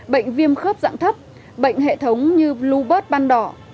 bệnh viêm khớp dạng thấp bệnh hệ thống như blue bird ban đỏ